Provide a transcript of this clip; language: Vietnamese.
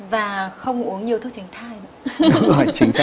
và không uống nhiều thuốc tránh thai